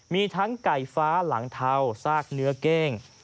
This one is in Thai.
มีทั้งไก่ฟ้าหลังเทาซากเนื้อเก้ง